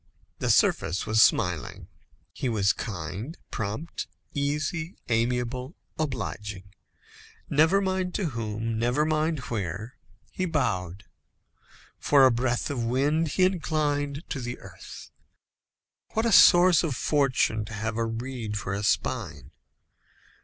The surface was smiling. He was kind, prompt, easy, amiable, obliging. Never mind to whom, never mind where, he bowed. For a breath of wind he inclined to the earth. What a source of fortune to have a reed for a spine!